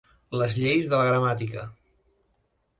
Les lleis de la gramàtica.